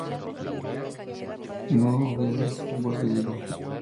¿no hubieses vos vivido?